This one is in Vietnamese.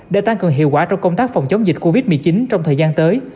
để tăng cường hiệu quả trong công tác phòng chống dịch covid một mươi chín trong thời gian tới